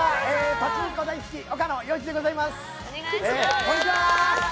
パチンコ大好き岡野陽一でございます。